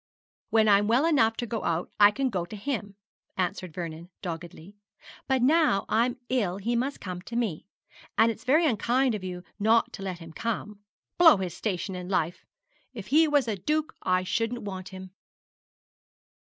'When I'm well enough to go out I can go to him,' answered Vernon, doggedly; 'but now I'm ill he must come to me; and it's very unkind of you not to let him come. Blow his station in life! If he was a duke I shouldn't want him.'